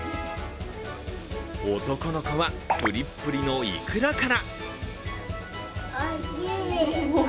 男の子はプリップリのいくらから。